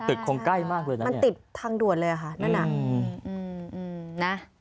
ตึกคงใกล้มากเลยนะมันติดทางด่วนเลยค่ะนั่นอ่ะ